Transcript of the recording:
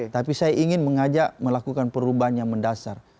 tapi saya ingin mengajak melakukan perubahan yang mendasar